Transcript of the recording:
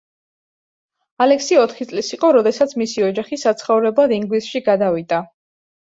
ალექსი ოთხი წლის იყო, როდესაც მისი ოჯახი საცხოვრებლად ინგლისში გადავიდა.